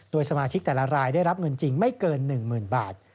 โดยสมาชิกแต่ละรายได้รับเงินจริงไม่เกิน๑๐๐๐บาท